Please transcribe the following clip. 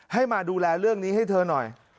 ให้มาดูแลเรื่องนี้ให้เธอหน่อย